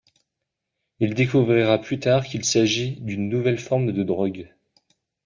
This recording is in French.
Il découvrira plus tard qu’il s’agit d’une nouvelle forme de drogue.